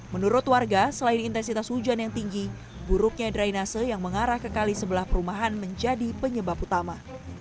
menurut warga selain intensitas hujan yang tinggi buruknya drainase yang mengarah ke kali sebelah perumahan menjadi penyebab utama